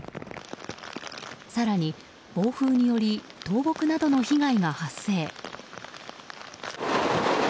更に、暴風により倒木などの被害が発生。